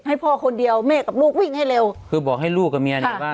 ให้พ่อคนเดียวแม่กับลูกวิ่งให้เร็วคือบอกให้ลูกกับเมียเนี่ยว่า